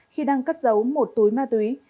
khi đang cất giấu một túi ma túy